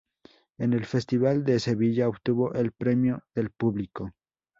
En el Festival de Sevilla, obtuvo el Premio del Público.